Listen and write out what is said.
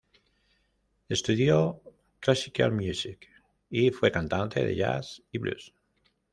Estudió classical music y fue cantante de jazz y blues.